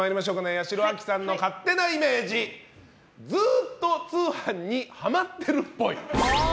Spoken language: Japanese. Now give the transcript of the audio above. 八代亜紀さんの勝手なイメージずっと通販にハマってるっぽい。